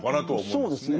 そうですね。